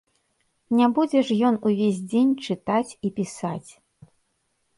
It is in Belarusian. Не будзе ж ён увесь дзень чытаць і пісаць.